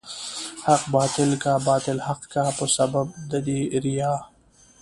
حق باطل کا، باطل حق کا په سبب د دې ريا